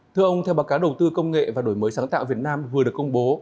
thưa ông theo báo cáo đầu tư công nghệ và đổi mới sáng tạo việt nam vừa được công bố